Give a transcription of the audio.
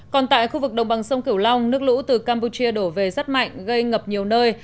còn tại khu vực đồng bằng sông cửu long nước lũ từ campuchia đổ về rất mạnh gây ngập nhiều nơi